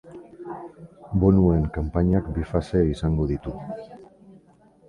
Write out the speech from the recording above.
Bonuen kanpainak bi fase izango ditu.